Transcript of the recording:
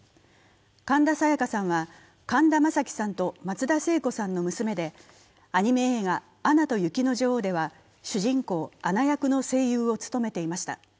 神田沙也加さんは神田正輝さんと松田聖子さんの娘でアニメ映画「アナと雪の女王」では主人公アナ役の声優を務めていました。